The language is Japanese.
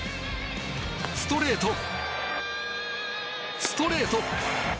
ストレート、ストレート。